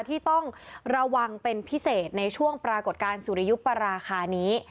ที่ต้องระวังเป็นพิเศษในช่วงปรากฏการณ์สุริยุปราคานี้